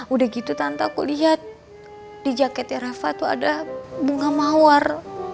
udah gitu tanpa aku lihat di jaketnya rafa tuh ada bunga mawar